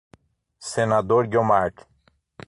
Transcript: Senador Guiomard